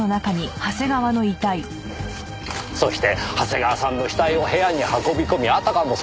そして長谷川さんの死体を部屋に運び込みあたかも